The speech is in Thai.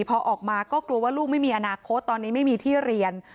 พอออกมาก็กลัวว่าลูกไม่มีอนาคตตอนนี้ไม่มีที่เรียน